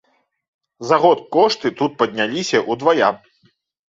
За год кошты тут падняліся ўдвая!